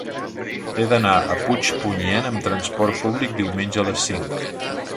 He d'anar a Puigpunyent amb transport públic diumenge a les cinc.